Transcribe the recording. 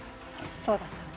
そうだったわね。